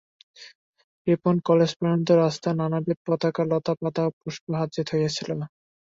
Ripon College পর্যন্ত রাস্তা নানাবিধ পতাকা, লতা, পাতা ও পুষ্পে সজ্জিত হইয়াছিল।